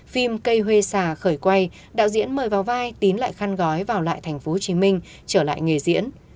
phim cây xà khởi quay đạo diễn mời vào vai tín lại khăn gói vào lại tp hcm trở lại nghề diễn